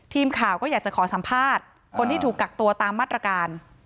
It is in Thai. ทีมข่าวก็อยากจะขอสัมภาษณ์คนที่ถูกกักตัวตามมาตรการ